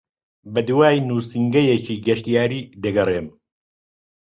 بەدوای نووسینگەیەکی گەشتیاری دەگەڕێم.